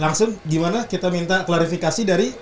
langsung gimana kita minta klarifikasi dari